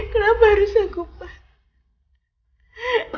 kenapa harus aku pak